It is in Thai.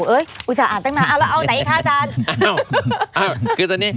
เอาไหนค่ะจาน